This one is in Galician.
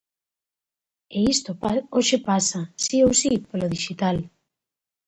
E iso hoxe pasa, si ou si, polo dixital.